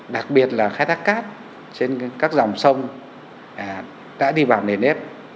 đặc biệt là khai thác cát trên các dòng sông đã đi vào nền nếp